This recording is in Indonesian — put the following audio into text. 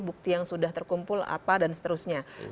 bukti yang sudah terkumpul apa dan seterusnya